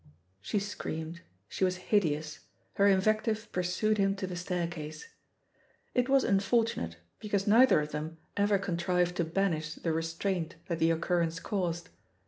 She screamed, she was hideous; her in vective pursued him to the staircase. It was unfortunate because neither of them 1126 THE POSITION OF PEGGY HARPER ever contrived to banish the restraint that the occurrence caused.